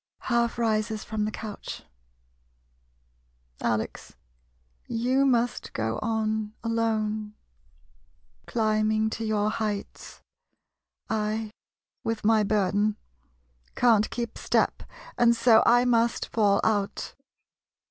[Half rises from the couch.] Alex — you must go on alone, climbing 3i MODERN MONOLOGUES to your heights. I, with my burden, can't keep step, and so I must fall out.